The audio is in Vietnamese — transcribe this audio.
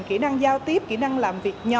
kỹ năng giao tiếp kỹ năng làm việc nhóm